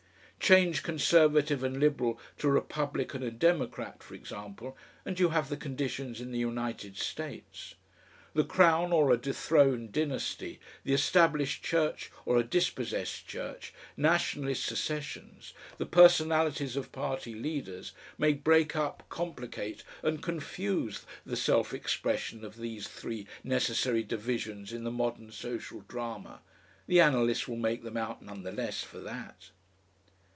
Change Conservative and Liberal to Republican and Democrat, for example, and you have the conditions in the United States. The Crown or a dethroned dynasty, the Established Church or a dispossessed church, nationalist secessions, the personalities of party leaders, may break up, complicate, and confuse the self expression of these three necessary divisions in the modern social drama, the analyst will make them out none the less for that....